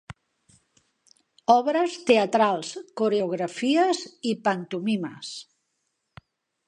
Obres teatrals, coreografies i pantomimes.